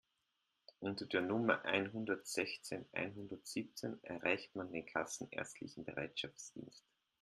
Unter der Nummer einhundertsechzehn einhundertsiebzehn erreicht man den kassenärztlichen Bereitschaftsdienst.